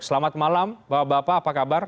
selamat malam bapak bapak apa kabar